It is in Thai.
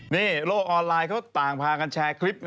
นี่โลกออนไลน์เขาต่างพากันแชร์คลิป